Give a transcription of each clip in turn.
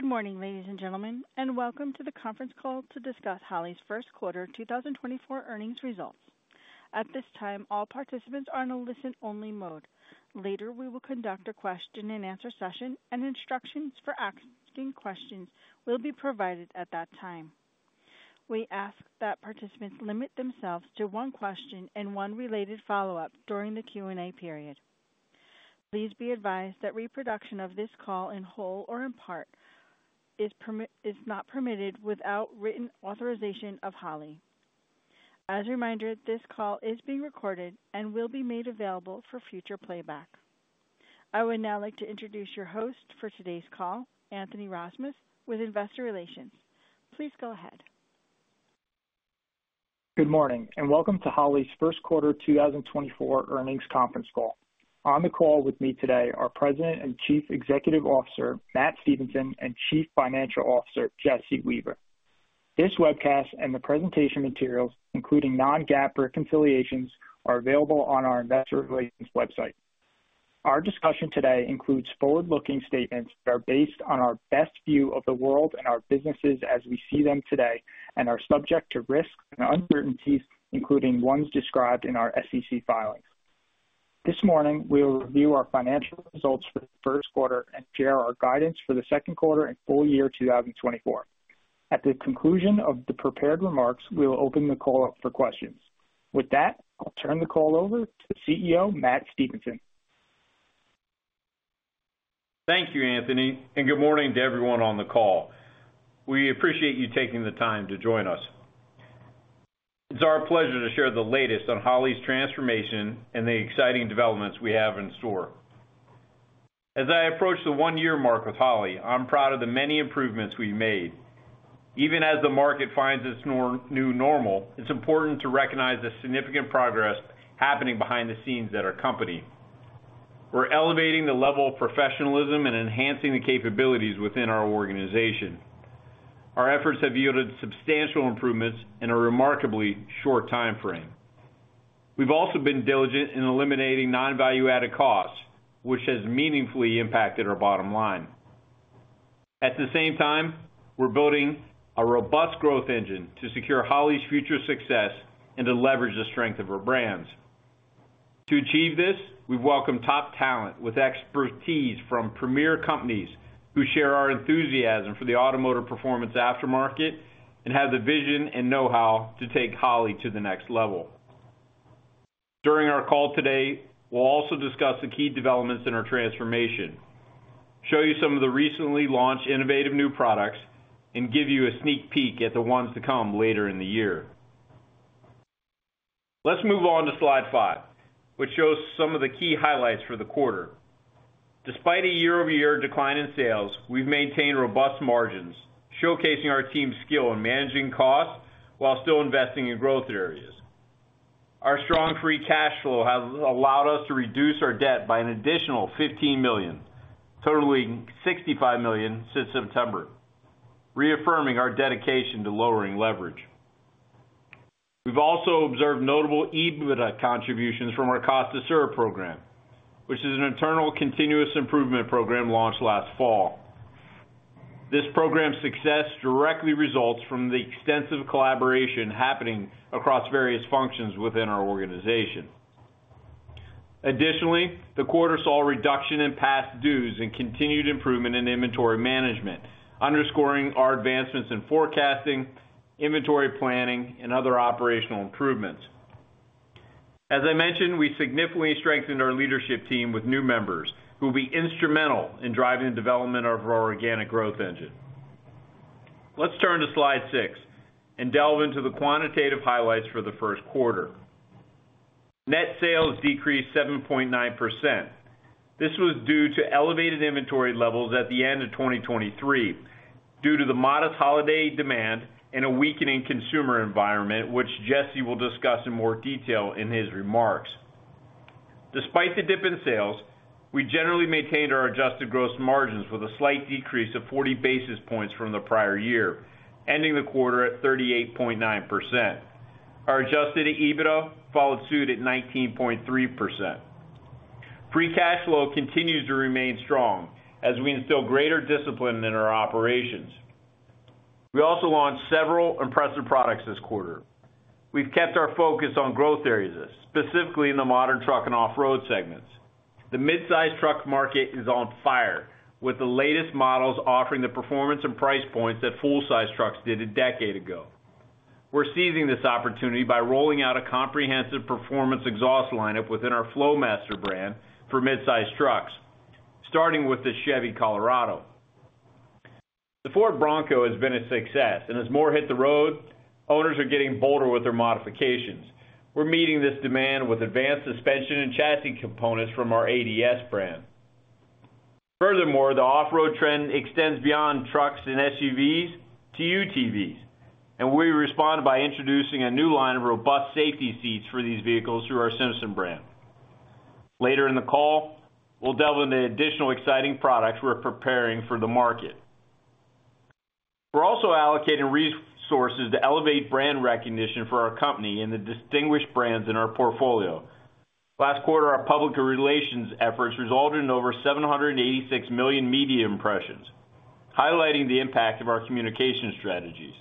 Good morning, ladies and gentlemen, and welcome to the conference call to discuss Holley's First Quarter 2024 Earnings Results. At this time, all participants are in a listen-only mode. Later, we will conduct a question-and-answer session, and instructions for asking questions will be provided at that time. We ask that participants limit themselves to one question and one related follow-up during the Q&A period. Please be advised that reproduction of this call in whole or in part is not permitted without written authorization of Holley. As a reminder, this call is being recorded and will be made available for future playback. I would now like to introduce your host for today's call, Anthony Rozmus, with Investor Relations. Please go ahead. Good morning, and welcome to Holley's First Quarter 2024 Earnings Conference Call. On the call with me today are President and Chief Executive Officer Matt Stevenson and Chief Financial Officer Jesse Weaver. This webcast and the presentation materials, including non-GAAP reconciliations, are available on our investor relations website. Our discussion today includes forward-looking statements that are based on our best view of the world and our businesses as we see them today and are subject to risks and uncertainties, including ones described in our SEC filings. This morning, we will review our financial results for the first quarter and share our guidance for the second quarter and full year 2024. At the conclusion of the prepared remarks, we will open the call up for questions. With that, I'll turn the call over to the CEO, Matt Stevenson. Thank you, Anthony, and good morning to everyone on the call. We appreciate you taking the time to join us. It's our pleasure to share the latest on Holley's transformation and the exciting developments we have in store. As I approach the one-year mark with Holley, I'm proud of the many improvements we've made. Even as the market finds its new normal, it's important to recognize the significant progress happening behind the scenes at our company. We're elevating the level of professionalism and enhancing the capabilities within our organization. Our efforts have yielded substantial improvements in a remarkably short timeframe. We've also been diligent in eliminating non-value-added costs, which has meaningfully impacted our bottom line. At the same time, we're building a robust growth engine to secure Holley's future success and to leverage the strength of our brands. To achieve this, we've welcomed top talent with expertise from premier companies who share our enthusiasm for the automotive performance aftermarket and have the vision and know-how to take Holley to the next level. During our call today, we'll also discuss the key developments in our transformation, show you some of the recently launched innovative new products, and give you a sneak peek at the ones to come later in the year. Let's move on to slide 5, which shows some of the key highlights for the quarter. Despite a year-over-year decline in sales, we've maintained robust margins, showcasing our team's skill in managing costs while still investing in growth areas. Our strong free cash flow has allowed us to reduce our debt by an additional $15 million, totaling $65 million since September, reaffirming our dedication to lowering leverage. We've also observed notable EBITDA contributions from our Cost to Serve program, which is an internal continuous improvement program launched last fall. This program's success directly results from the extensive collaboration happening across various functions within our organization. Additionally, the quarter saw a reduction in past dues and continued improvement in inventory management, underscoring our advancements in forecasting, inventory planning, and other operational improvements. As I mentioned, we significantly strengthened our leadership team with new members, who will be instrumental in driving the development of our organic growth engine. Let's turn to slide 6 and delve into the quantitative highlights for the first quarter. Net sales decreased 7.9%. This was due to elevated inventory levels at the end of 2023 due to the modest holiday demand and a weakening consumer environment, which Jesse will discuss in more detail in his remarks. Despite the dip in sales, we generally maintained our adjusted gross margins with a slight decrease of 40 basis points from the prior year, ending the quarter at 38.9%. Our adjusted EBITDA followed suit at 19.3%. Free cash flow continues to remain strong as we instill greater discipline in our operations. We also launched several impressive products this quarter. We've kept our focus on growth areas, specifically in the modern truck and off-road segments. The midsize truck market is on fire, with the latest models offering the performance and price points that full-size trucks did a decade ago. We're seizing this opportunity by rolling out a comprehensive performance exhaust lineup within our Flowmaster brand for midsize trucks, starting with the Chevy Colorado. The Ford Bronco has been a success, and as more hit the road, owners are getting bolder with their modifications. We're meeting this demand with advanced suspension and chassis components from our ADS brand. Furthermore, the off-road trend extends beyond trucks and SUVs to UTVs, and we responded by introducing a new line of robust safety seats for these vehicles through our Simpson brand. Later in the call, we'll delve into the additional exciting products we're preparing for the market. We're also allocating resources to elevate brand recognition for our company and the distinguished brands in our portfolio. Last quarter, our public relations efforts resulted in over 786 million media impressions, highlighting the impact of our communication strategies.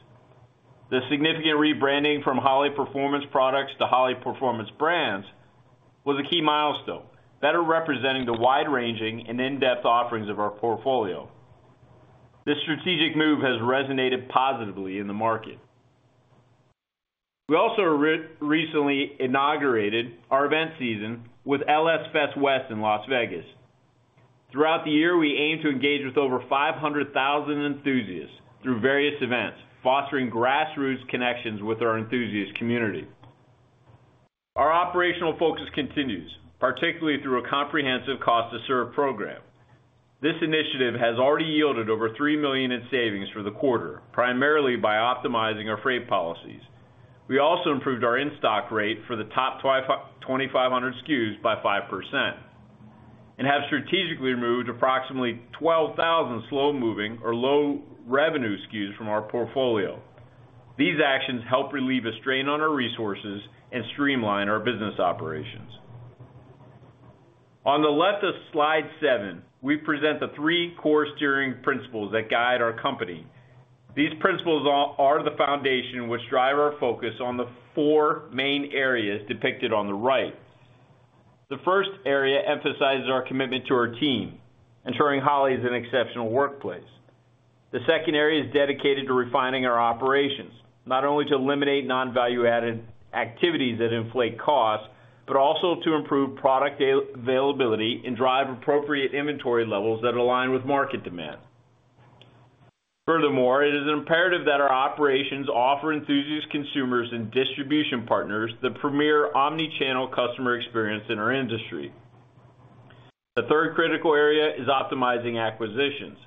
The significant rebranding from Holley Performance Products to Holley Performance Brands was a key milestone, better representing the wide-ranging and in-depth offerings of our portfolio. This strategic move has resonated positively in the market. We also recently inaugurated our event season with LS Fest West in Las Vegas. Throughout the year, we aim to engage with over 500,000 enthusiasts through various events, fostering grassroots connections with our enthusiast community. Our operational focus continues, particularly through a comprehensive Cost to Serve program. This initiative has already yielded over $3 million in savings for the quarter, primarily by optimizing our freight policies. We also improved our in-stock rate for the top 2,500 SKUs by 5%, and have strategically removed approximately 12,000 slow-moving or low-revenue SKUs from our portfolio. These actions help relieve a strain on our resources and streamline our business operations. On the left of slide 7, we present the three core steering principles that guide our company. These principles are the foundation which drive our focus on the four main areas depicted on the right. The first area emphasizes our commitment to our team, ensuring Holley is an exceptional workplace. The second area is dedicated to refining our operations, not only to eliminate non-value-added activities that inflate costs, but also to improve product availability and drive appropriate inventory levels that align with market demand. Furthermore, it is imperative that our operations offer enthusiast consumers and distribution partners the premier omni-channel customer experience in our industry. The third critical area is optimizing acquisitions.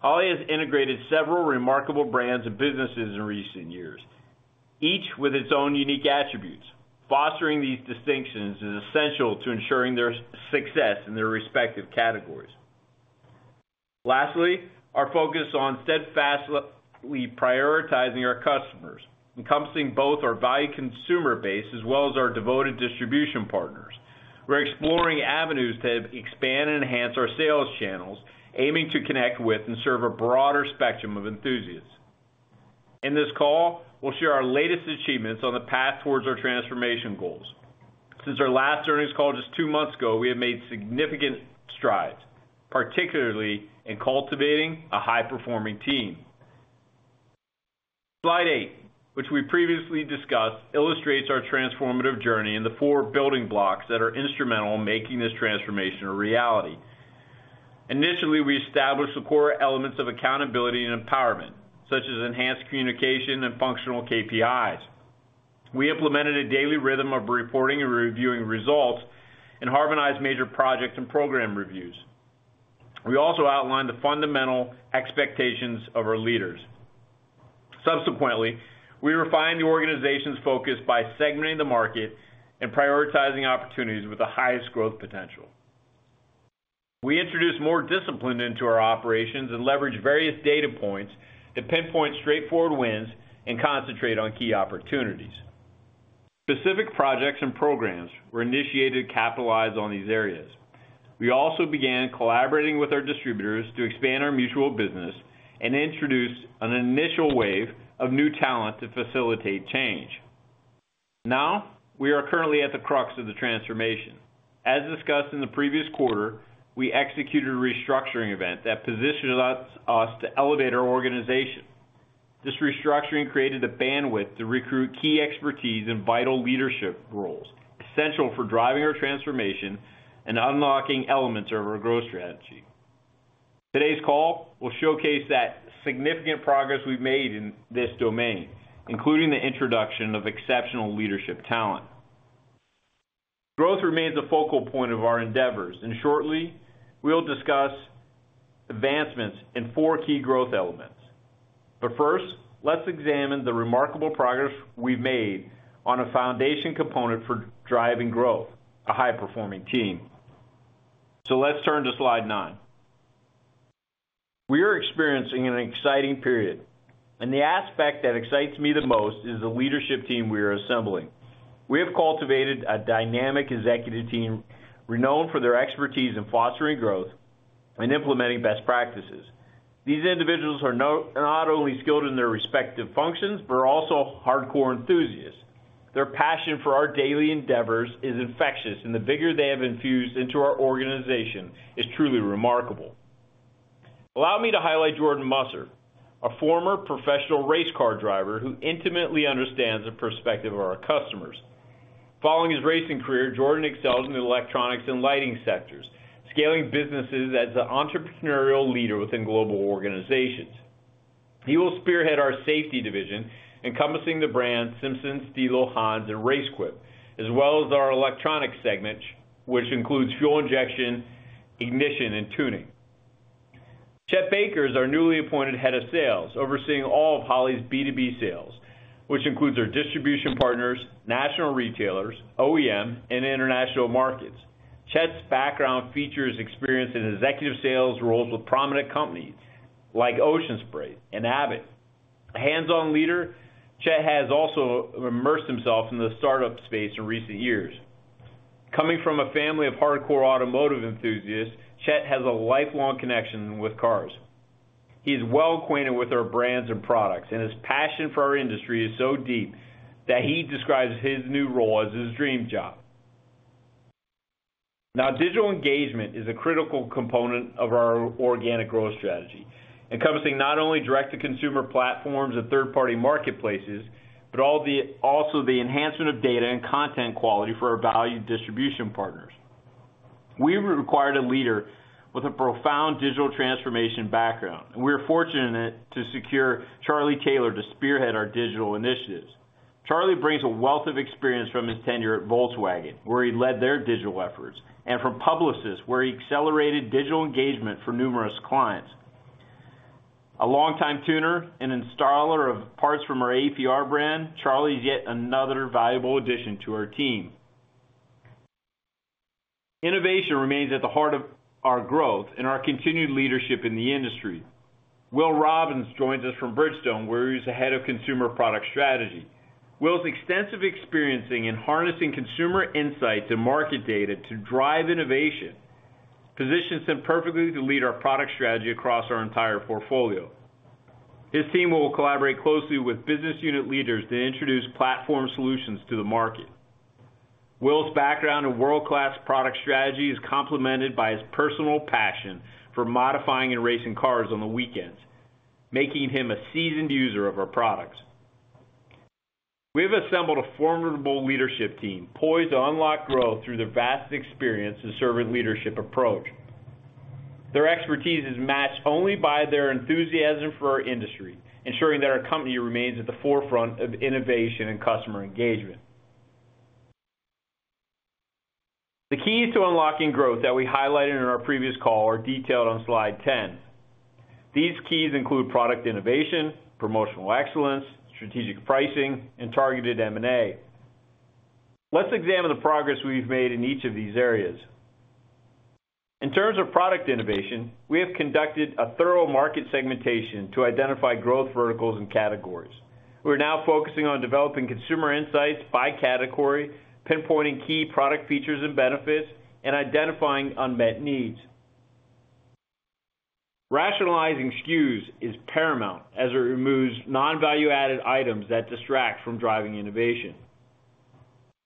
Holley has integrated several remarkable brands and businesses in recent years, each with its own unique attributes. Fostering these distinctions is essential to ensuring their success in their respective categories. Lastly, our focus on steadfastly prioritizing our customers, encompassing both our value consumer base as well as our devoted distribution partners. We're exploring avenues to expand and enhance our sales channels, aiming to connect with and serve a broader spectrum of enthusiasts. In this call, we'll share our latest achievements on the path towards our transformation goals. Since our last earnings call just 2 months ago, we have made significant strides, particularly in cultivating a high-performing team. Slide 8, which we previously discussed, illustrates our transformative journey and the 4 building blocks that are instrumental in making this transformation a reality. Initially, we established the core elements of accountability and empowerment, such as enhanced communication and functional KPIs. We implemented a daily rhythm of reporting and reviewing results and harmonized major projects and program reviews. We also outlined the fundamental expectations of our leaders. Subsequently, we refined the organization's focus by segmenting the market and prioritizing opportunities with the highest growth potential. We introduced more discipline into our operations and leveraged various data points to pinpoint straightforward wins and concentrate on key opportunities. Specific projects and programs were initiated to capitalize on these areas. We also began collaborating with our distributors to expand our mutual business and introduced an initial wave of new talent to facilitate change. Now, we are currently at the crux of the transformation. As discussed in the previous quarter, we executed a restructuring event that positions us to elevate our organization. This restructuring created the bandwidth to recruit key expertise in vital leadership roles, essential for driving our transformation and unlocking elements of our growth strategy. Today's call will showcase that significant progress we've made in this domain, including the introduction of exceptional leadership talent. Growth remains a focal point of our endeavors, and shortly, we'll discuss advancements in four key growth elements. But first, let's examine the remarkable progress we've made on a foundation component for driving growth, a high-performing team. Let's turn to slide nine. We are experiencing an exciting period, and the aspect that excites me the most is the leadership team we are assembling. We have cultivated a dynamic executive team renowned for their expertise in fostering growth and implementing best practices. These individuals are not only skilled in their respective functions, but are also hardcore enthusiasts. Their passion for our daily endeavors is infectious, and the vigor they have infused into our organization is truly remarkable. Allow me to highlight Jordan Musser, a former professional race car driver who intimately understands the perspective of our customers. Following his racing career, Jordan excels in the electronics and lighting sectors, scaling businesses as the entrepreneurial leader within global organizations. He will spearhead our safety division, encompassing the brands Simpson, Stilo, HANS, and RaceQuip, as well as our electronic segment, which includes fuel injection, ignition, and tuning. Chet Baker is our newly appointed Head of Sales, overseeing all of Holley's B2B sales... which includes our distribution partners, national retailers, OEM, and international markets. Chet's background features experience in executive sales roles with prominent companies like Ocean Spray and Abbott. A hands-on leader, Chet has also immersed himself in the startup space in recent years. Coming from a family of hardcore automotive enthusiasts, Chet has a lifelong connection with cars. He's well acquainted with our brands and products, and his passion for our industry is so deep that he describes his new role as his dream job. Now, digital engagement is a critical component of our organic growth strategy, encompassing not only direct-to-consumer platforms and third-party marketplaces, but also the enhancement of data and content quality for our valued distribution partners. We required a leader with a profound digital transformation background, and we are fortunate to secure Charlie Taylor to spearhead our digital initiatives. Charlie brings a wealth of experience from his tenure at Volkswagen, where he led their digital efforts, and from Publicis, where he accelerated digital engagement for numerous clients. A longtime tuner and installer of parts from our APR brand, Charlie is yet another valuable addition to our team. Innovation remains at the heart of our growth and our continued leadership in the industry. Will Robbins joins us from Bridgestone, where he was the Head of Consumer Product Strategy. Will's extensive experience in harnessing consumer insight to market data to drive innovation, positions him perfectly to lead our product strategy across our entire portfolio. His team will collaborate closely with business unit leaders to introduce platform solutions to the market. Will's background in world-class product strategy is complemented by his personal passion for modifying and racing cars on the weekends, making him a seasoned user of our products. We have assembled a formidable leadership team, poised to unlock growth through their vast experience and servant leadership approach. Their expertise is matched only by their enthusiasm for our industry, ensuring that our company remains at the forefront of innovation and customer engagement. The keys to unlocking growth that we highlighted in our previous call are detailed on slide 10. These keys include product innovation, promotional excellence, strategic pricing, and targeted M&A. Let's examine the progress we've made in each of these areas. In terms of product innovation, we have conducted a thorough market segmentation to identify growth verticals and categories. We're now focusing on developing consumer insights by category, pinpointing key product features and benefits, and identifying unmet needs. Rationalizing SKUs is paramount as it removes non-value-added items that distract from driving innovation.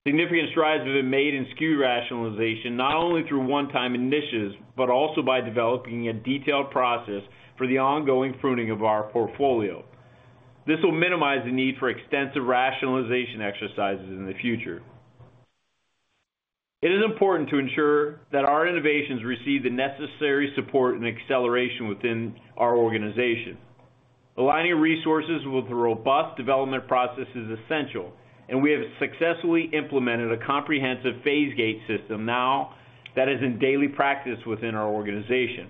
Significant strides have been made in SKU rationalization, not only through one-time initiatives, but also by developing a detailed process for the ongoing pruning of our portfolio. This will minimize the need for extensive rationalization exercises in the future. It is important to ensure that our innovations receive the necessary support and acceleration within our organization. Aligning resources with a robust development process is essential, and we have successfully implemented a comprehensive phase-gate system now that is in daily practice within our organization.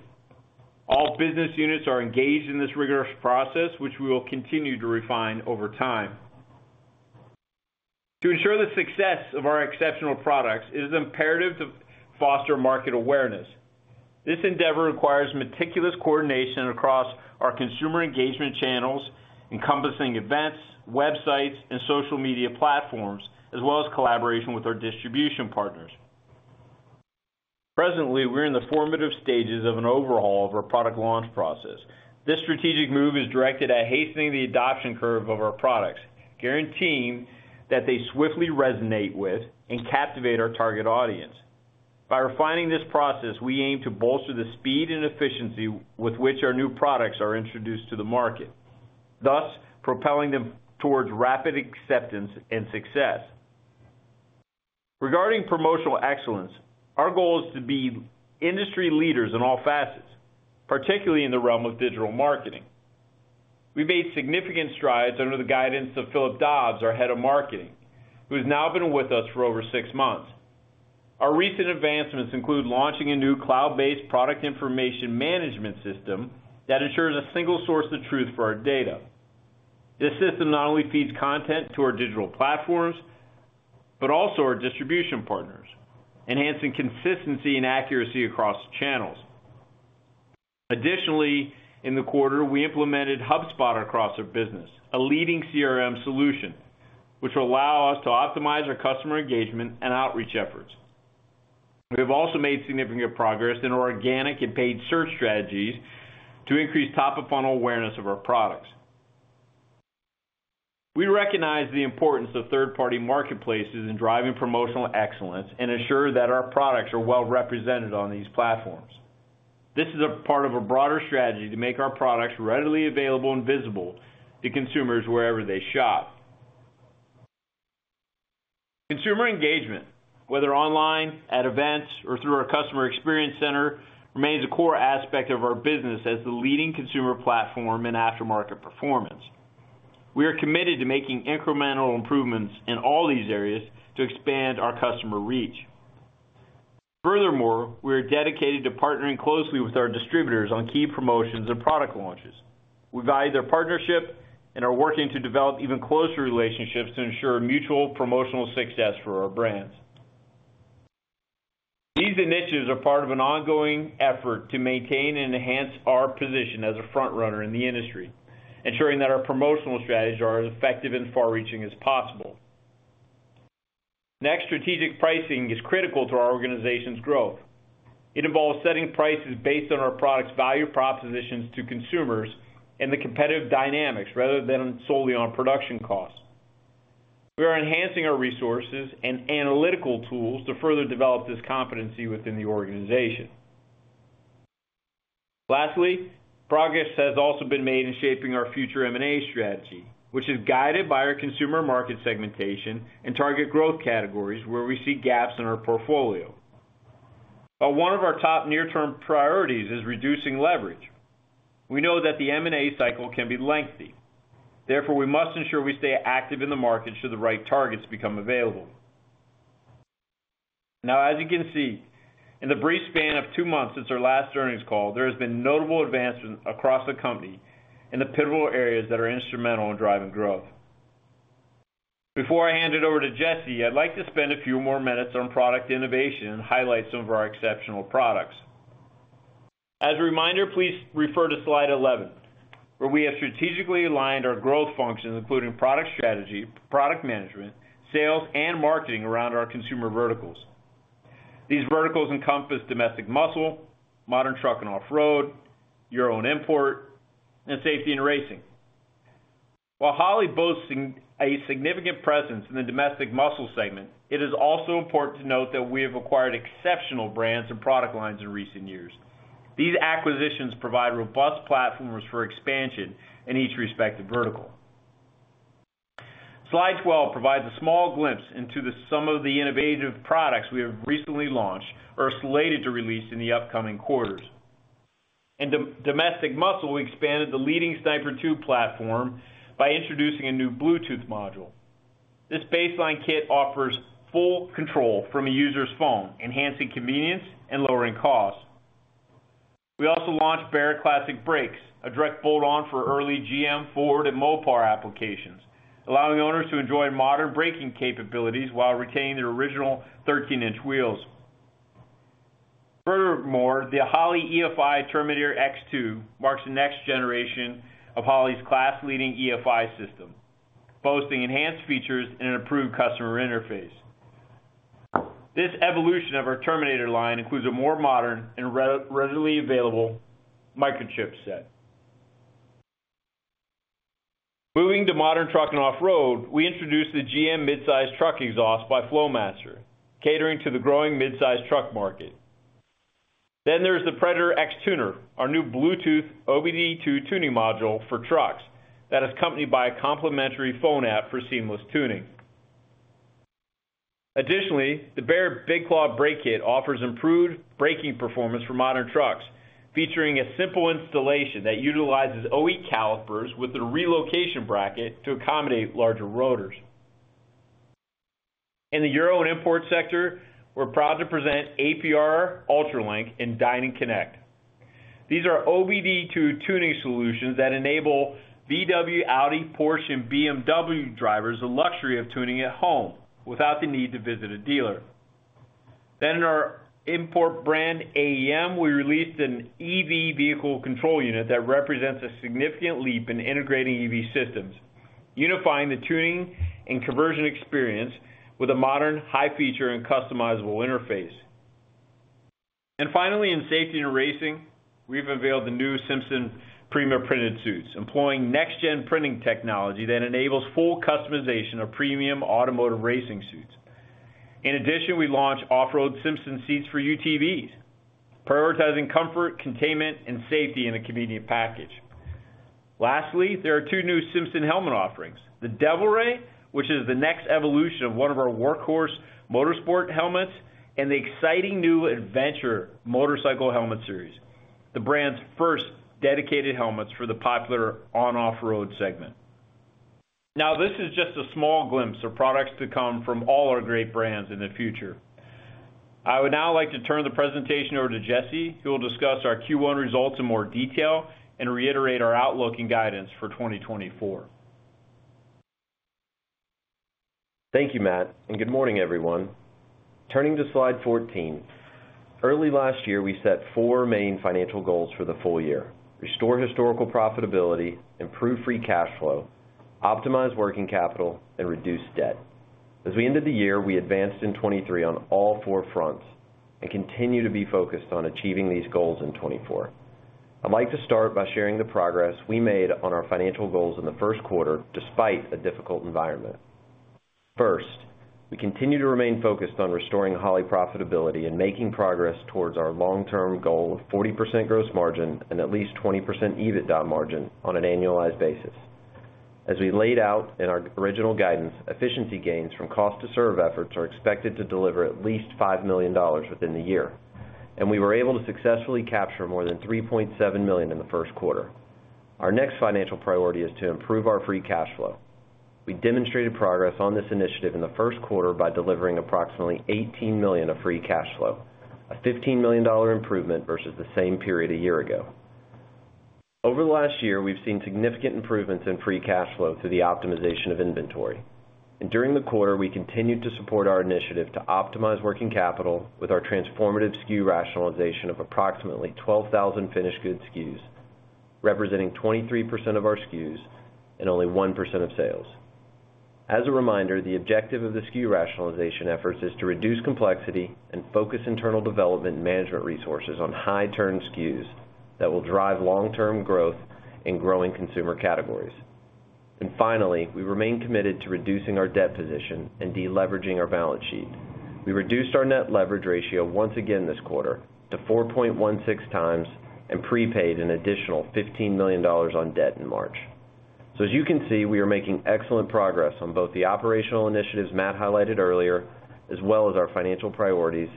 All business units are engaged in this rigorous process, which we will continue to refine over time. To ensure the success of our exceptional products, it is imperative to foster market awareness. This endeavor requires meticulous coordination across our consumer engagement channels, encompassing events, websites, and social media platforms, as well as collaboration with our distribution partners. Presently, we're in the formative stages of an overhaul of our product launch process. This strategic move is directed at hastening the adoption curve of our products, guaranteeing that they swiftly resonate with and captivate our target audience. By refining this process, we aim to bolster the speed and efficiency with which our new products are introduced to the market, thus propelling them towards rapid acceptance and success. Regarding promotional excellence, our goal is to be industry leaders in all facets, particularly in the realm of digital marketing. We've made significant strides under the guidance of Philip Dobbs, our Head of Marketing, who has now been with us for over six months. Our recent advancements include launching a new cloud-based product information management system that ensures a single source of truth for our data. This system not only feeds content to our digital platforms, but also our distribution partners, enhancing consistency and accuracy across channels. Additionally, in the quarter, we implemented HubSpot across our business, a leading CRM solution, which will allow us to optimize our customer engagement and outreach efforts. We have also made significant progress in our organic and paid search strategies to increase top-of-funnel awareness of our products. We recognize the importance of third-party marketplaces in driving promotional excellence and ensure that our products are well represented on these platforms. This is a part of a broader strategy to make our products readily available and visible to consumers wherever they shop. Consumer engagement, whether online, at events, or through our customer experience center, remains a core aspect of our business as the leading consumer platform in aftermarket performance. We are committed to making incremental improvements in all these areas to expand our customer reach.... Furthermore, we are dedicated to partnering closely with our distributors on key promotions and product launches. We value their partnership and are working to develop even closer relationships to ensure mutual promotional success for our brands. These initiatives are part of an ongoing effort to maintain and enhance our position as a front runner in the industry, ensuring that our promotional strategies are as effective and far-reaching as possible. Next, strategic pricing is critical to our organization's growth. It involves setting prices based on our product's value propositions to consumers and the competitive dynamics, rather than solely on production costs. We are enhancing our resources and analytical tools to further develop this competency within the organization. Lastly, progress has also been made in shaping our future M&A strategy, which is guided by our consumer market segmentation and target growth categories where we see gaps in our portfolio. But one of our top near-term priorities is reducing leverage. We know that the M&A cycle can be lengthy, therefore, we must ensure we stay active in the market should the right targets become available. Now, as you can see, in the brief span of two months since our last earnings call, there has been notable advancement across the company in the pivotal areas that are instrumental in driving growth. Before I hand it over to Jesse, I'd like to spend a few more minutes on product innovation and highlight some of our exceptional products. As a reminder, please refer to slide 11, where we have strategically aligned our growth functions, including product strategy, product management, sales, and marketing around our consumer verticals. These verticals encompass Domestic Muscle, Modern Truck & Off-Road, Euro & Import, and Safety & Racing. While Holley boasts a significant presence in the Domestic Muscle segment, it is also important to note that we have acquired exceptional brands and product lines in recent years. These acquisitions provide robust platforms for expansion in each respective vertical. Slide 12 provides a small glimpse into some of the innovative products we have recently launched or slated to release in the upcoming quarters. In Domestic Muscle, we expanded the leading Sniper 2 platform by introducing a new Bluetooth module. This baseline kit offers full control from a user's phone, enhancing convenience and lowering costs. We also launched Baer Classic Series, a direct bolt-on for early GM, Ford, and Mopar applications, allowing owners to enjoy modern braking capabilities while retaining their original 13-inch wheels. Furthermore, the Holley EFI Terminator X2 marks the next generation of Holley's class-leading EFI system, boasting enhanced features and an improved customer interface. This evolution of our Terminator line includes a more modern and readily available microchip set. Moving to modern truck and off-road, we introduced the GM mid-size truck exhaust by Flowmaster, catering to the growing mid-size truck market. Then there's the Predator X tuner, our new Bluetooth OBD2 tuning module for trucks, that is accompanied by a complimentary phone app for seamless tuning. Additionally, the Baer Big Claw Brake Kit offers improved braking performance for modern trucks, featuring a simple installation that utilizes OE calipers with a relocation bracket to accommodate larger rotors. In the Euro and import sector, we're proud to present APR Ultralink and Dinan Connect. These are OBD2 tuning solutions that enable VW, Audi, Porsche, and BMW drivers the luxury of tuning at home without the need to visit a dealer. Then in our import brand, AEM, we released an EV vehicle control unit that represents a significant leap in integrating EV systems, unifying the tuning and conversion experience with a modern, high feature, and customizable interface. And finally, in safety and racing, we've unveiled the new Simpson printed suits, employing next-gen printing technology that enables full customization of premium automotive racing suits. In addition, we launched off-road Simpson seats for UTVs, prioritizing comfort, containment, and safety in a convenient package. Lastly, there are two new Simpson helmet offerings, the Devil Ray, which is the next evolution of one of our workhorse motorsport helmets, and the exciting new Adventure Motorcycle Helmet series, the brand's first dedicated helmets for the popular on/off-road segment. Now, this is just a small glimpse of products to come from all our great brands in the future. I would now like to turn the presentation over to Jesse, who will discuss our Q1 results in more detail and reiterate our outlook and guidance for 2024. Thank you, Matt, and good morning, everyone. Turning to slide 14, early last year, we set four main financial goals for the full year: restore historical profitability, improve free cash flow, optimize working capital, and reduce debt. As we ended the year, we advanced in 2023 on all four fronts and continue to be focused on achieving these goals in 2024. I'd like to start by sharing the progress we made on our financial goals in the first quarter, despite a difficult environment. First, we continue to remain focused on restoring Holley profitability and making progress towards our long-term goal of 40% gross margin and at least 20% EBITDA margin on an annualized basis. As we laid out in our original guidance, efficiency gains from cost to serve efforts are expected to deliver at least $5 million within the year.... We were able to successfully capture more than $3.7 million in the first quarter. Our next financial priority is to improve our Free Cash Flow. We demonstrated progress on this initiative in the first quarter by delivering approximately $18 million of Free Cash Flow, a $15 million improvement versus the same period a year ago. Over the last year, we've seen significant improvements in Free Cash Flow through the optimization of inventory. During the quarter, we continued to support our initiative to optimize working capital with our transformative SKU rationalization of approximately 12,000 finished goods SKUs, representing 23% of our SKUs and only 1% of sales. As a reminder, the objective of the SKU rationalization efforts is to reduce complexity and focus internal development management resources on high-turn SKUs that will drive long-term growth in growing consumer categories. Finally, we remain committed to reducing our debt position and deleveraging our balance sheet. We reduced our net leverage ratio once again this quarter to 4.16 times and prepaid an additional $15 million on debt in March. So as you can see, we are making excellent progress on both the operational initiatives Matt highlighted earlier, as well as our financial priorities,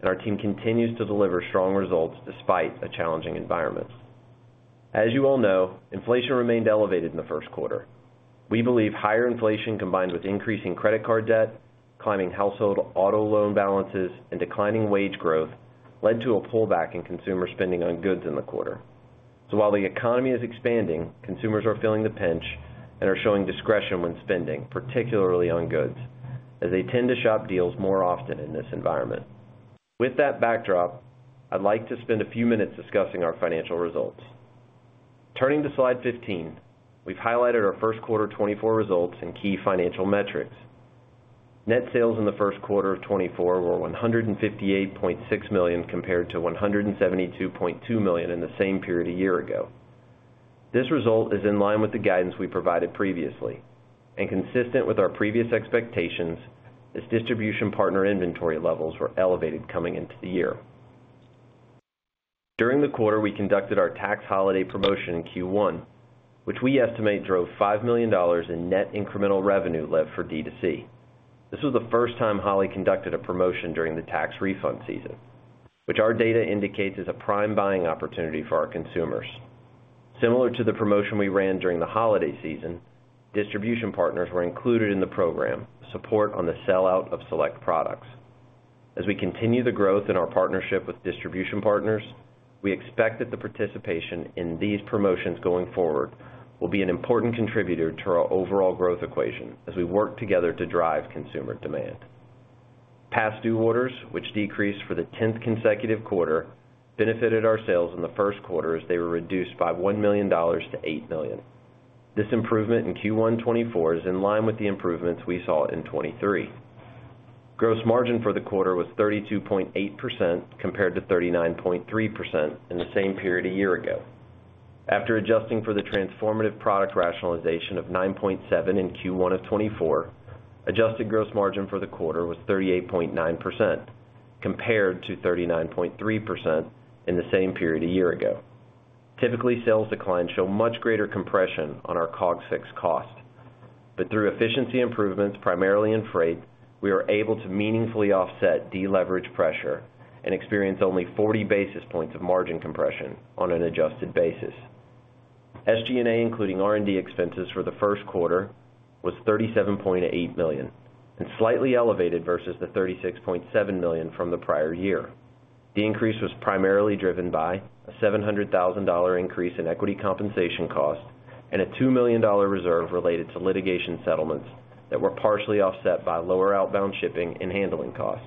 and our team continues to deliver strong results despite a challenging environment. As you all know, inflation remained elevated in the first quarter. We believe higher inflation, combined with increasing credit card debt, climbing household auto loan balances, and declining wage growth, led to a pullback in consumer spending on goods in the quarter. So while the economy is expanding, consumers are feeling the pinch and are showing discretion when spending, particularly on goods, as they tend to shop deals more often in this environment. With that backdrop, I'd like to spend a few minutes discussing our financial results. Turning to slide 15, we've highlighted our first quarter 2024 results and key financial metrics. Net sales in the first quarter of 2024 were $158.6 million, compared to $172.2 million in the same period a year ago. This result is in line with the guidance we provided previously and consistent with our previous expectations, as distribution partner inventory levels were elevated coming into the year. During the quarter, we conducted our tax holiday promotion in Q1, which we estimate drove $5 million in net incremental revenue lift for D2C. This was the first time Holley conducted a promotion during the tax refund season, which our data indicates is a prime buying opportunity for our consumers. Similar to the promotion we ran during the holiday season, distribution partners were included in the program to support on the sellout of select products. As we continue the growth in our partnership with distribution partners, we expect that the participation in these promotions going forward will be an important contributor to our overall growth equation as we work together to drive consumer demand. Past due orders, which decreased for the 10th consecutive quarter, benefited our sales in the first quarter as they were reduced by $1 million-$8 million. This improvement in Q1 2024 is in line with the improvements we saw in 2023. Gross margin for the quarter was 32.8%, compared to 39.3% in the same period a year ago. After adjusting for the transformative product rationalization of 9.7 in Q1 of 2024, adjusted gross margin for the quarter was 38.9%, compared to 39.3% in the same period a year ago. Typically, sales declines show much greater compression on our COGS, fixed cost. But through efficiency improvements, primarily in freight, we are able to meaningfully offset deleverage pressure and experience only 40 basis points of margin compression on an adjusted basis. SG&A, including R&D expenses for the first quarter, was $37.8 million, and slightly elevated versus the $36.7 million from the prior year. The increase was primarily driven by a $700,000 increase in equity compensation costs and a $2 million reserve related to litigation settlements that were partially offset by lower outbound shipping and handling costs.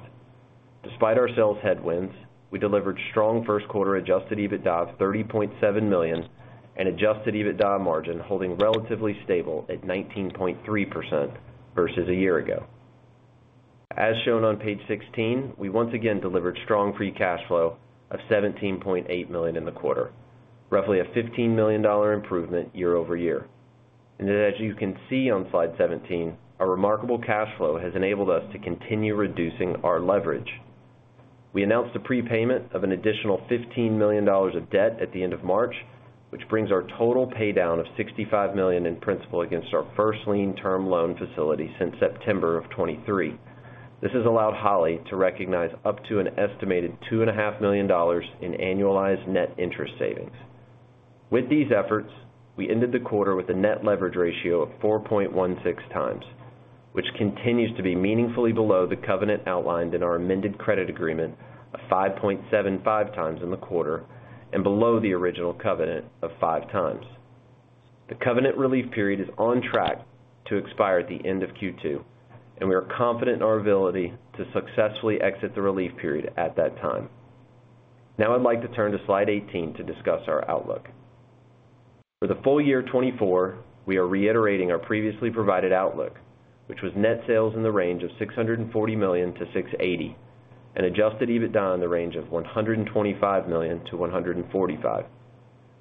Despite our sales headwinds, we delivered strong first quarter Adjusted EBITDA of $30.7 million and Adjusted EBITDA margin, holding relatively stable at 19.3% versus a year ago. As shown on page 16, we once again delivered strong Free Cash Flow of $17.8 million in the quarter, roughly a $15 million improvement year-over-year. And as you can see on slide 17, our remarkable cash flow has enabled us to continue reducing our leverage. We announced a prepayment of an additional $15 million of debt at the end of March, which brings our total paydown of $65 million in principal against our first lien term loan facility since September 2023. This has allowed Holley to recognize up to an estimated $2.5 million in annualized net interest savings. With these efforts, we ended the quarter with a net leverage ratio of 4.16 times, which continues to be meaningfully below the covenant outlined in our amended credit agreement of 5.75 times in the quarter and below the original covenant of 5 times. The covenant relief period is on track to expire at the end of Q2, and we are confident in our ability to successfully exit the relief period at that time. Now, I'd like to turn to slide 18 to discuss our outlook. For the full year 2024, we are reiterating our previously provided outlook, which was net sales in the range of $640 million-$680 million, and Adjusted EBITDA in the range of $125 million-$145 million.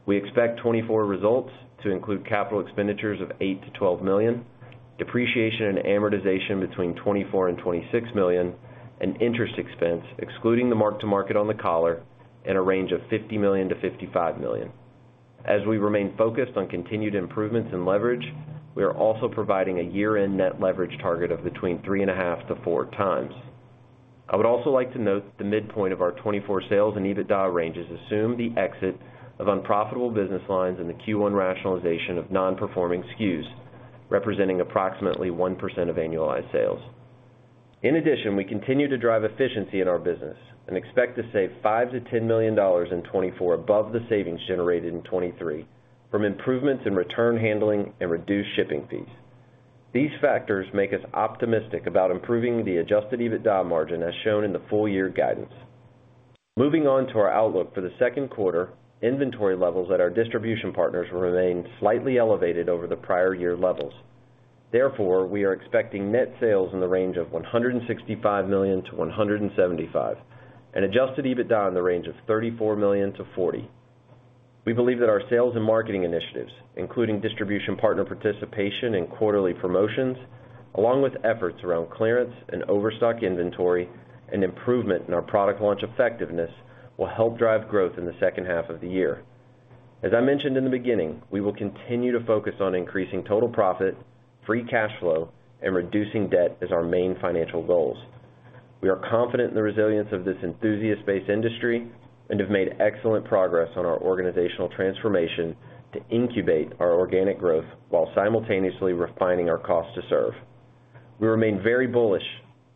We expect 2024 results to include capital expenditures of $8 million-$12 million, depreciation and amortization between $24 million-$26 million, and interest expense, excluding the mark to market on the collar in a range of $50 million-$55 million. As we remain focused on continued improvements in leverage, we are also providing a year-end net leverage target of between 3.5-4 times. I would also like to note that the midpoint of our 2024 sales and EBITDA ranges assume the exit of unprofitable business lines and the Q1 rationalization of non-performing SKUs, representing approximately 1% of annualized sales. In addition, we continue to drive efficiency in our business and expect to save $5 million-$10 million in 2024 above the savings generated in 2023 from improvements in return handling and reduced shipping fees. These factors make us optimistic about improving the Adjusted EBITDA margin as shown in the full year guidance. Moving on to our outlook for the second quarter, inventory levels at our distribution partners will remain slightly elevated over the prior year levels. Therefore, we are expecting net sales in the range of $165 million-$175 million, and Adjusted EBITDA in the range of $34 million-$40 million. We believe that our sales and marketing initiatives, including distribution partner participation and quarterly promotions, along with efforts around clearance and overstock inventory and improvement in our product launch effectiveness, will help drive growth in the second half of the year. As I mentioned in the beginning, we will continue to focus on increasing total profit, free cash flow, and reducing debt as our main financial goals. We are confident in the resilience of this enthusiast-based industry and have made excellent progress on our organizational transformation to incubate our organic growth while simultaneously refining our cost to serve. We remain very bullish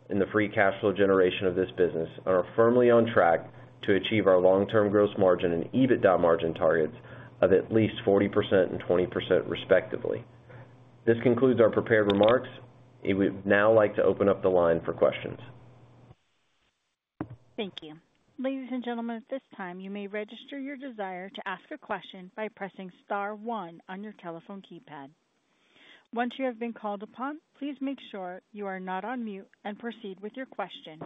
in the free cash flow generation of this business and are firmly on track to achieve our long-term gross margin and EBITDA margin targets of at least 40% and 20%, respectively. This concludes our prepared remarks. I would now like to open up the line for questions. Thank you. Ladies and gentlemen, at this time, you may register your desire to ask a question by pressing star one on your telephone keypad. Once you have been called upon, please make sure you are not on mute and proceed with your question.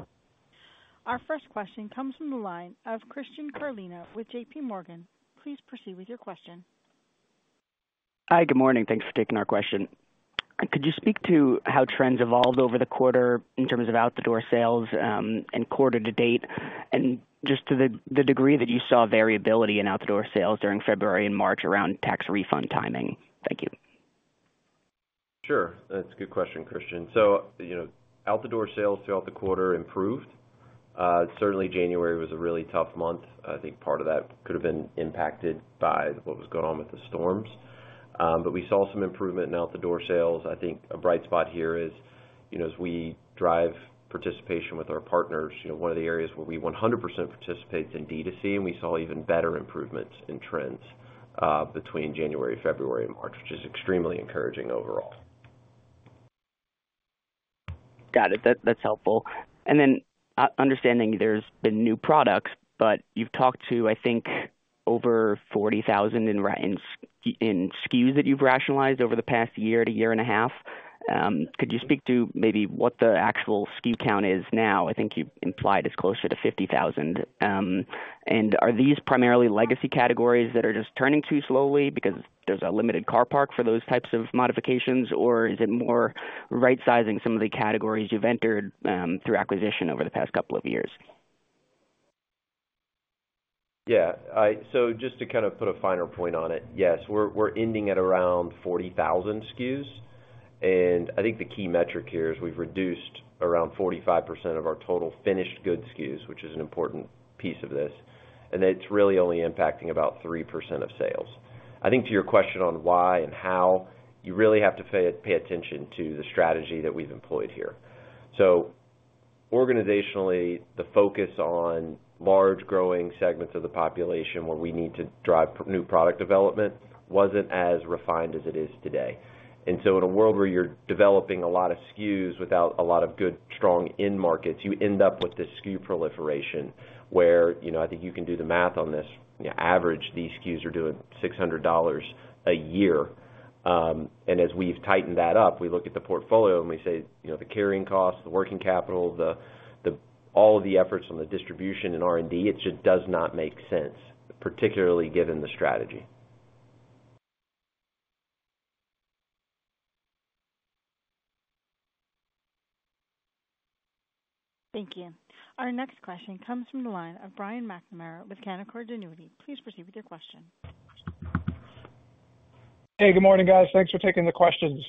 Our first question comes from the line of Christian Carlino with J.P. Morgan. Please proceed with your question. Hi, good morning. Thanks for taking our question. Could you speak to how trends evolved over the quarter in terms of out-the-door sales, and quarter-to-date? And just to the degree that you saw variability in out-the-door sales during February and March around tax refund timing. Thank you. Sure. That's a good question, Christian. So, you know, out-the-door sales throughout the quarter improved. Certainly January was a really tough month. I think part of that could have been impacted by what was going on with the storms. But we saw some improvement in out-the-door sales. I think a bright spot here is, you know, as we drive participation with our partners, you know, one of the areas where we 100% participate is in D2C, and we saw even better improvements in trends between January, February and March, which is extremely encouraging overall. Got it. That's helpful. And then, understanding there's been new products, but you've talked to, I think, over 40,000 in SKUs that you've rationalized over the past year to year and a half. Could you speak to maybe what the actual SKU count is now? I think you implied it's closer to 50,000. And are these primarily legacy categories that are just turning too slowly because there's a limited car park for those types of modifications, or is it more right-sizing some of the categories you've entered through acquisition over the past couple of years? Yeah. So just to kind of put a finer point on it, yes, we're, we're ending at around 40,000 SKUs, and I think the key metric here is we've reduced around 45% of our total finished good SKUs, which is an important piece of this, and it's really only impacting about 3% of sales. I think to your question on why and how, you really have to pay, pay attention to the strategy that we've employed here. So organizationally, the focus on large growing segments of the population, where we need to drive new product development, wasn't as refined as it is today. And so in a world where you're developing a lot of SKUs without a lot of good, strong end markets, you end up with this SKU proliferation, where, you know, I think you can do the math on this, on average, these SKUs are doing $600 a year. And as we've tightened that up, we look at the portfolio and we say, you know, the carrying costs, the working capital, all of the efforts on the distribution and R&D, it just does not make sense, particularly given the strategy. Thank you. Our next question comes from the line of Brian McNamara with Canaccord Genuity. Please proceed with your question. Hey, good morning, guys. Thanks for taking the questions.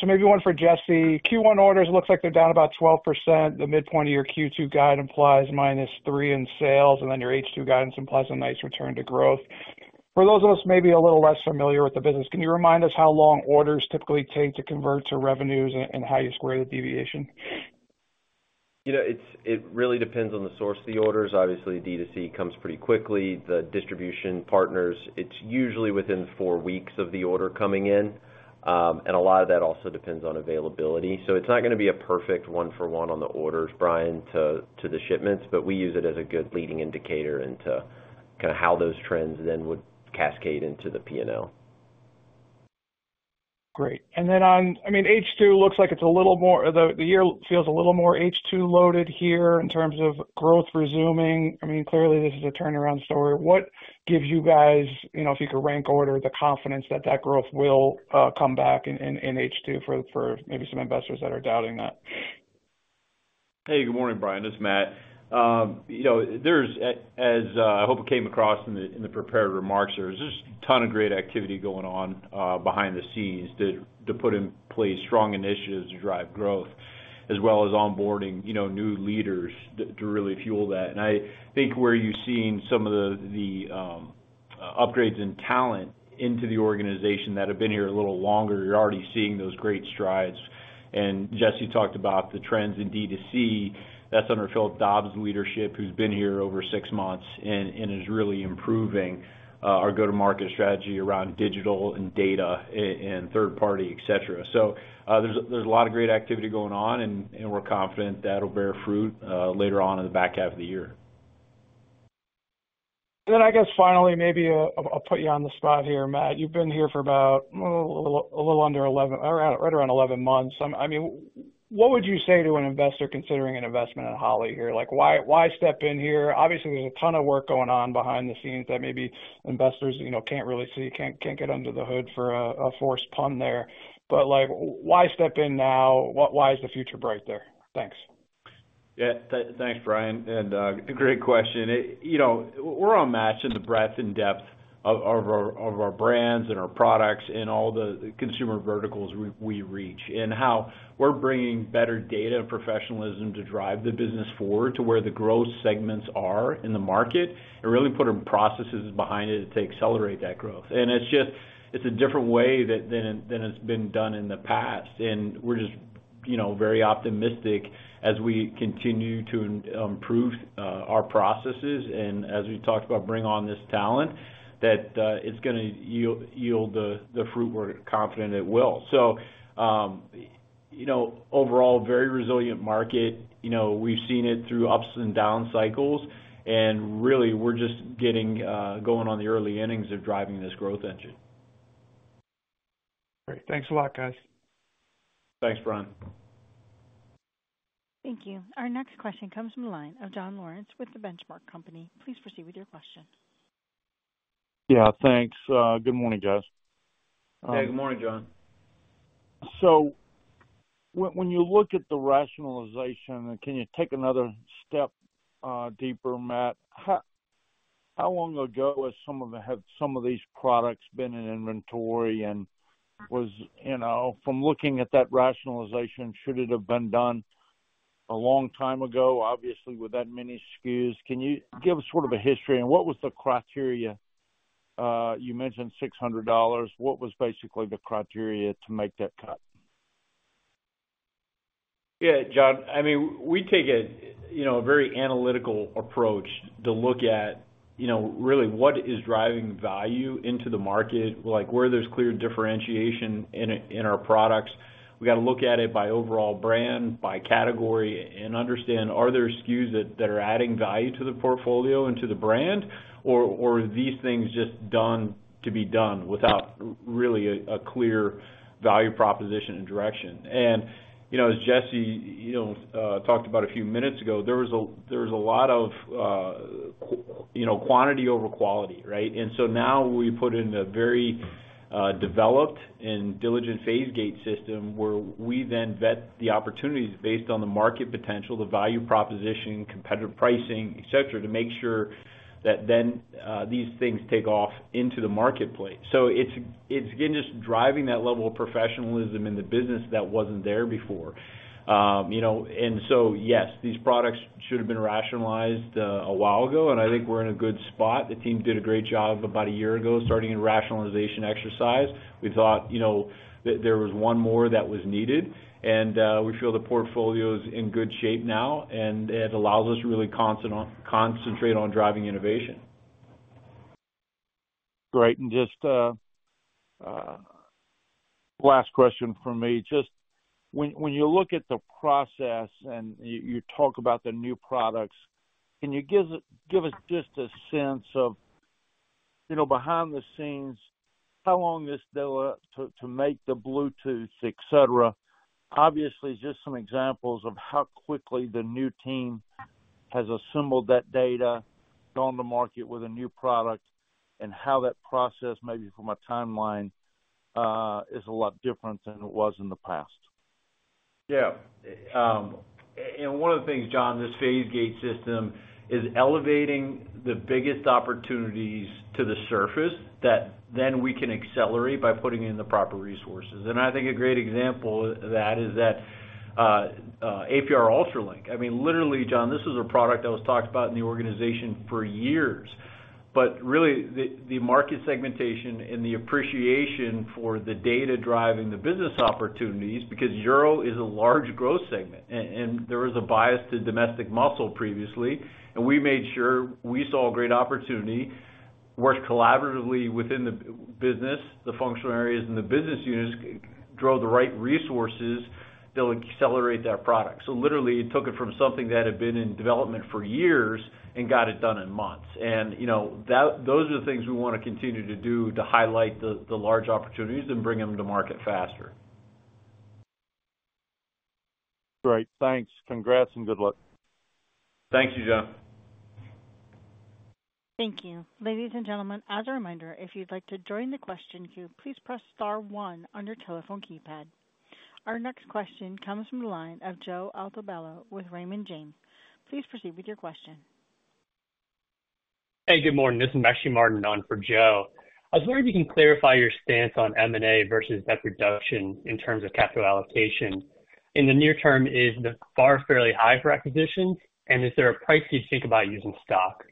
So maybe one for Jesse. Q1 orders looks like they're down about 12%. The midpoint of your Q2 guide implies -3% in sales, and then your H2 guidance implies a nice return to growth. For those of us maybe a little less familiar with the business, can you remind us how long orders typically take to convert to revenues and how you square the deviation? You know, it really depends on the source of the orders. Obviously, D2C comes pretty quickly. The distribution partners, it's usually within four weeks of the order coming in. And a lot of that also depends on availability. So it's not gonna be a perfect one for one on the orders, Brian, to the shipments, but we use it as a good leading indicator into kinda how those trends then would cascade into the P&L. Great. And then on... I mean, H2 looks like it's a little more—the year feels a little more H2 loaded here in terms of growth resuming. I mean, clearly, this is a turnaround story. What gives you guys, you know, if you could rank order the confidence that that growth will come back in H2 for maybe some investors that are doubting that? Hey, good morning, Brian. This is Matt. You know, there's as I hope it came across in the prepared remarks, there's just a ton of great activity going on behind the scenes to put in place strong initiatives to drive growth, as well as onboarding, you know, new leaders to really fuel that. And I think where you're seeing some of the upgrades in talent into the organization that have been here a little longer, you're already seeing those great strides. And Jesse talked about the trends in D2C. That's under Philip Dobbs' leadership, who's been here over six months and is really improving our go-to-market strategy around digital and data and third party, et cetera. So, there's a lot of great activity going on, and we're confident that'll bear fruit later on in the back half of the year. Then I guess finally, maybe, I'll put you on the spot here, Matt. You've been here for about a little under 11 – or around, right around 11 months. I mean, what would you say to an investor considering an investment at Holley here? Like, why, why step in here? Obviously, there's a ton of work going on behind the scenes that maybe investors, you know, can't really see, can't get under the hood for a forced pun there. But, like, why step in now? Why is the future bright there? Thanks. Yeah. Thanks, Brian, and great question. You know, we're unmatched in the breadth and depth of our brands and our products and all the consumer verticals we reach, and how we're bringing better data and professionalism to drive the business forward to where the growth segments are in the market, and really putting processes behind it to accelerate that growth. And it's just a different way than it's been done in the past. And we're just, you know, very optimistic as we continue to improve our processes, and as we talked about, bring on this talent, that it's gonna yield the fruit we're confident it will. So, you know, overall, very resilient market. You know, we've seen it through ups and down cycles, and really, we're just getting going on the early innings of driving this growth engine. Great. Thanks a lot, guys. Thanks, Brian. Thank you. Our next question comes from the line of John Lawrence with The Benchmark Company. Please proceed with your question. Yeah, thanks. Good morning, guys. Hey, good morning, John. So when you look at the rationalization, can you take another step deeper, Matt? How long ago has some of the... have some of these products been in inventory? And was, you know, from looking at that rationalization, should it have been done a long time ago? Obviously, with that many SKUs. Can you give sort of a history, and what was the criteria? You mentioned $600. What was basically the criteria to make that cut? Yeah, John, I mean, we take a you know, a very analytical approach to look at, you know, really what is driving value into the market, like, where there's clear differentiation in our products. We gotta look at it by overall brand, by category, and understand, are there SKUs that are adding value to the portfolio and to the brand, or are these things just done to be done without really a clear value proposition and direction? And, you know, as Jesse, you know, talked about a few minutes ago, there was a lot of, you know, quantity-over-quality, right? So now we put in a very developed and diligent phase-gate system, where we then vet the opportunities based on the market potential, the value proposition, competitive pricing, et cetera, to make sure that then these things take off into the marketplace. So it's, again, just driving that level of professionalism in the business that wasn't there before. You know, and so, yes, these products should have been rationalized a while ago, and I think we're in a good spot. The team did a great job about a year ago, starting a rationalization exercise. We thought, you know, that there was one more that was needed, and we feel the portfolio is in good shape now, and it allows us to really concentrate on driving innovation. Great. And just last question from me: just when you look at the process and you talk about the new products, can you give us just a sense of, you know, behind the scenes, how long this took to make the Bluetooth, et cetera? Obviously, just some examples of how quickly the new team has assembled that data, gone to market with a new product, and how that process, maybe from a timeline, is a lot different than it was in the past. Yeah. And one of the things, John, this phase-gate system is elevating the biggest opportunities to the surface, that then we can accelerate by putting in the proper resources. And I think a great example of that is APR UltraLink. I mean, literally, John, this is a product that was talked about in the organization for years. But really, the market segmentation and the appreciation for the data driving the business opportunities, because Euro is a large growth segment and there was a bias to domestic muscle previously, and we made sure we saw a great opportunity, worked collaboratively within the business, the functional areas, and the business units, drove the right resources that'll accelerate that product. So literally, it took it from something that had been in development for years and got it done in months. You know, that—those are the things we wanna continue to do to highlight the, the large opportunities and bring them to market faster. Great. Thanks. Congrats, and good luck. Thank you, John. Thank you. Ladies and gentlemen, as a reminder, if you'd like to join the question queue, please press star one on your telephone keypad. Our next question comes from the line of Joe Altobello with Raymond James. Please proceed with your question. Hey, good morning. This is actually Martin on for Joe. I was wondering if you can clarify your stance on M&A versus debt reduction in terms of capital allocation? In the near term, is the bar fairly high for acquisition, and is there a price you'd think about using stock?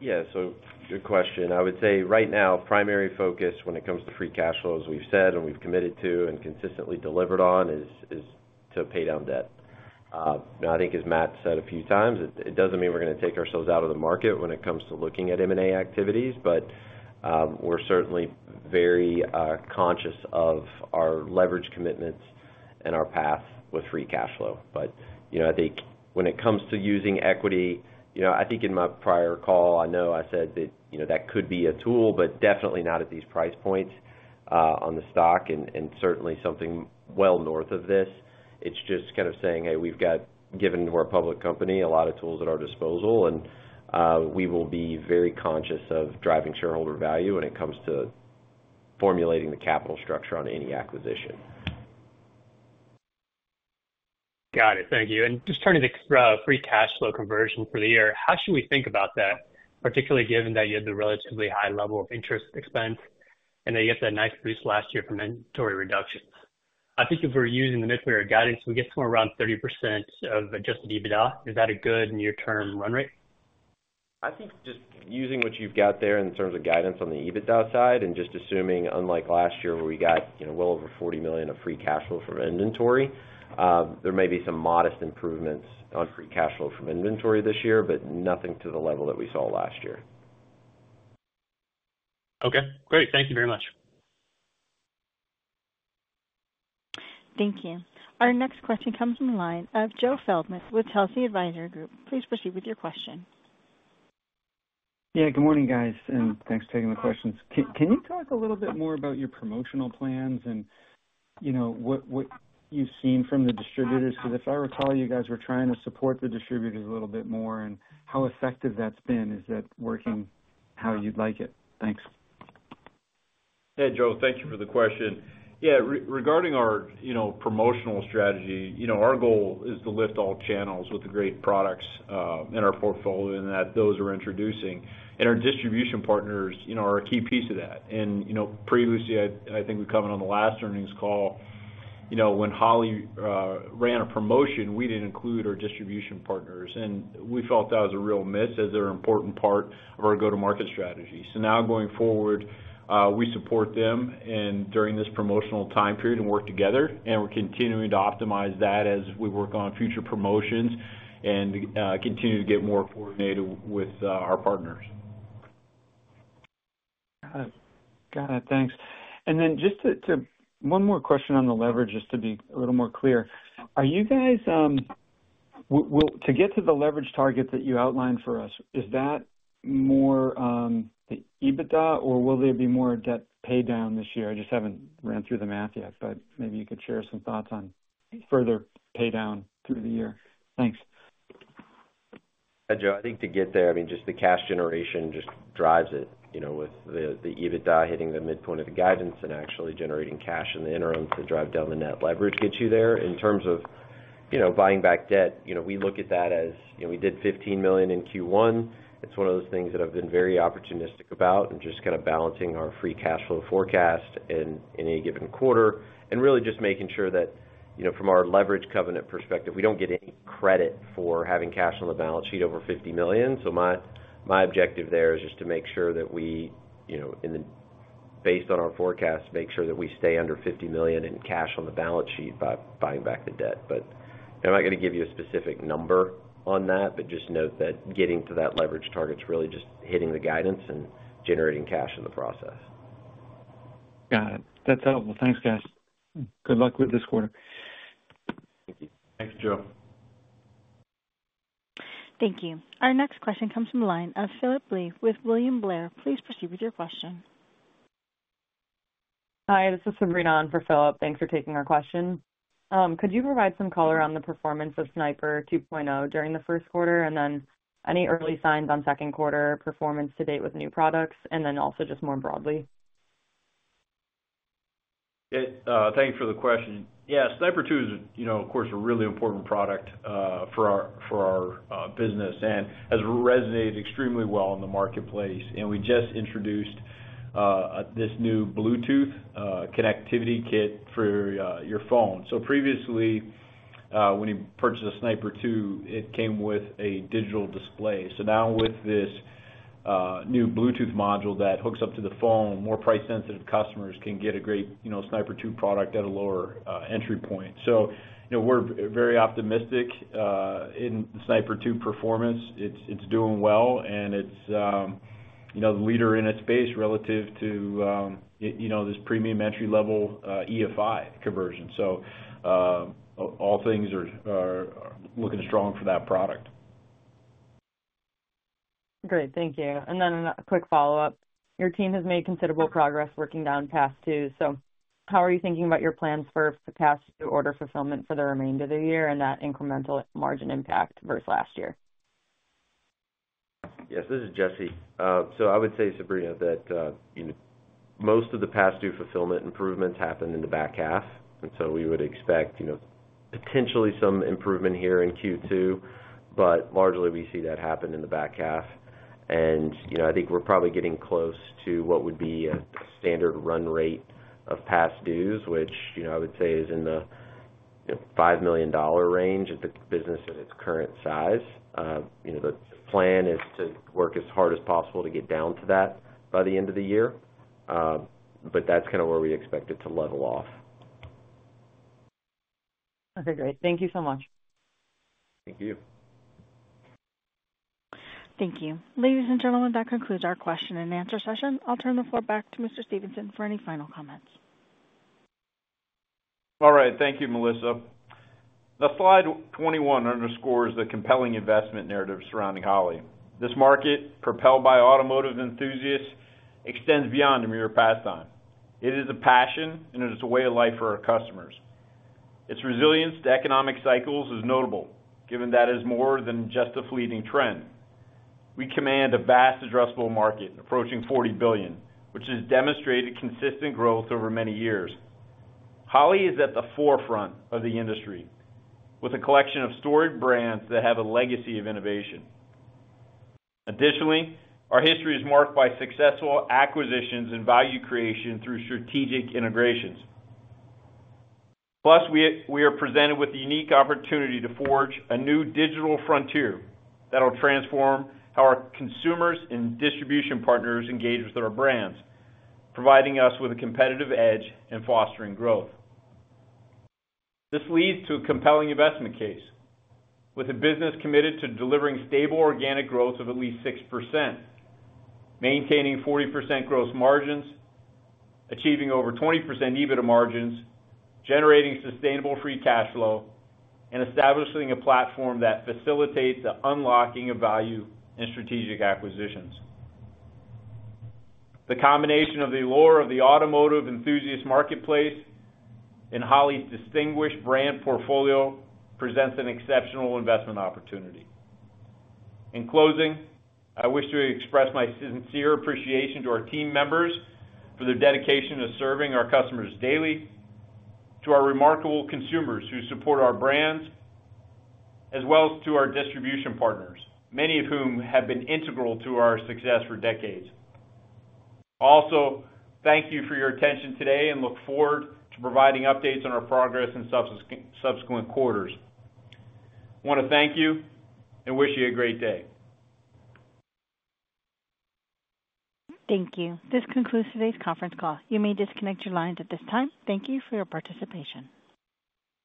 Yeah, so good question. I would say right now, primary focus when it comes to free cash flow, as we've said and we've committed to and consistently delivered on, is, is to pay down debt. And I think as Matt said a few times, it, it doesn't mean we're gonna take ourselves out of the market when it comes to looking at M&A activities, but, we're certainly very, conscious of our leverage commitments and our path with free cash flow. But, you know, I think when it comes to using equity, you know, I think in my prior call, I know I said that, you know, that could be a tool, but definitely not at these price points, on the stock, and, and certainly something well north of this. It's just kind of saying, "Hey, we've got, given we're a public company, a lot of tools at our disposal, and we will be very conscious of driving shareholder value when it comes to formulating the capital structure on any acquisition. Got it. Thank you. Just turning to free cash flow conversion for the year, how should we think about that, particularly given that you had the relatively high level of interest expense and that you had that nice boost last year from inventory reductions? I think if we're using the mid-year guidance, we get to around 30% of Adjusted EBITDA. Is that a good near-term run rate? I think just using what you've got there in terms of guidance on the EBITDA side, and just assuming, unlike last year, where we got, you know, well over $40 million of free cash flow from inventory, there may be some modest improvements on free cash flow from inventory this year, but nothing to the level that we saw last year. Okay, great. Thank you very much. Thank you. Our next question comes from the line of Joe Feldman with Telsey Advisory Group. Please proceed with your question. Yeah, good morning, guys, and thanks for taking the questions. Can you talk a little bit more about your promotional plans and, you know, what you've seen from the distributors? Because if I recall, you guys were trying to support the distributors a little bit more, and how effective that's been. Is that working how you'd like it? Thanks. Hey, Joe, thank you for the question. Yeah, regarding our, you know, promotional strategy, you know, our goal is to lift all channels with the great products in our portfolio, and that those are introducing. And our distribution partners, you know, are a key piece of that. And, you know, previously, I think we covered on the last earnings call, you know, when Holley ran a promotion, we didn't include our distribution partners, and we felt that was a real miss, as they're an important part of our go-to-market strategy. So now going forward, we support them and during this promotional time period, and work together, and we're continuing to optimize that as we work on future promotions and continue to get more coordinated with our partners. Got it. Got it. Thanks. And then just to one more question on the leverage, just to be a little more clear. Are you guys, well, to get to the leverage target that you outlined for us, is that more the EBITDA, or will there be more debt paydown this year? I just haven't ran through the math yet, but maybe you could share some thoughts on further paydown through the year. Thanks. Hey, Joe, I think to get there, I mean, just the cash generation just drives it, you know, with the EBITDA hitting the midpoint of the guidance and actually generating cash in the interim to drive down the net leverage gets you there. In terms of, you know, buying back debt, you know, we look at that as, you know, we did $15 million in Q1. It's one of those things that I've been very opportunistic about, and just kind of balancing our free cash flow forecast in any given quarter, and really just making sure that, you know, from our leverage covenant perspective, we don't get any credit for having cash on the balance sheet over $50 million. So my objective there is just to make sure that we, you know, in the based on our forecast, make sure that we stay under $50 million in cash on the balance sheet by buying back the debt. But I'm not gonna give you a specific number on that, but just note that getting to that leverage target is really just hitting the guidance and generating cash in the process. Got it. That's helpful. Thanks, guys. Good luck with this quarter. Thank you. Thanks, Joe. Thank you. Our next question comes from the line of Philip Lee with William Blair. Please proceed with your question. Hi, this is Sabrina on for Philip. Thanks for taking our question. Could you provide some color on the performance of Sniper 2.0 during the first quarter? And then, any early signs on second quarter performance to date with new products, and then also just more broadly? Yeah, thank you for the question. Yeah, Sniper 2 is, you know, of course, a really important product for our, for our business and has resonated extremely well in the marketplace. And we just introduced this new Bluetooth connectivity kit for your phone. So previously, when you purchased a Sniper 2, it came with a digital display. So now with this new Bluetooth module that hooks up to the phone, more price-sensitive customers can get a great, you know, Sniper 2 product at a lower entry point. So you know, we're very optimistic in the Sniper 2 performance. It's doing well, and it's, you know, the leader in its space relative to you know, this premium entry-level EFI conversion. So all things are looking strong for that product. Great. Thank you. And then a quick follow-up. Your team has made considerable progress working down past dues. How are you thinking about your plans for past due order fulfillment for the remainder of the year and that incremental margin impact versus last year? Yes, this is Jesse. So I would say, Sabrina, that most of the past due fulfillment improvements happened in the back half, and so we would expect, you know, potentially some improvement here in Q2, but largely we see that happen in the back half. You know, I think we're probably getting close to what would be a standard run rate of past dues, which, you know, I would say is in the $5 million range of the business at its current size. You know, the plan is to work as hard as possible to get down to that by the end of the year, but that's kind of where we expect it to level off. Okay, great. Thank you so much. Thank you. Thank you. Ladies and gentlemen, that concludes our question and answer session. I'll turn the floor back to Mr. Stevenson for any final comments. All right. Thank you, Melissa. The slide 21 underscores the compelling investment narrative surrounding Holley. This market, propelled by automotive enthusiasts, extends beyond a mere pastime. It is a passion, and it is a way of life for our customers. Its resilience to economic cycles is notable, given that it is more than just a fleeting trend. We command a vast addressable market approaching $40 billion, which has demonstrated consistent growth over many years. Holley is at the forefront of the industry, with a collection of storied brands that have a legacy of innovation. Additionally, our history is marked by successful acquisitions and value creation through strategic integrations. Plus, we are presented with the unique opportunity to forge a new digital frontier that will transform how our consumers and distribution partners engage with our brands, providing us with a competitive edge and fostering growth. This leads to a compelling investment case, with the business committed to delivering stable organic growth of at least 6%, maintaining 40% gross margins, achieving over 20% EBITDA margins, generating sustainable free cash flow, and establishing a platform that facilitates the unlocking of value and strategic acquisitions. The combination of the allure of the automotive enthusiast marketplace and Holley's distinguished brand portfolio presents an exceptional investment opportunity. In closing, I wish to express my sincere appreciation to our team members for their dedication to serving our customers daily, to our remarkable consumers who support our brands, as well as to our distribution partners, many of whom have been integral to our success for decades. Also, thank you for your attention today and look forward to providing updates on our progress in subsequent quarters. I want to thank you and wish you a great day. Thank you. This concludes today's conference call. You may disconnect your lines at this time. Thank you for your participation.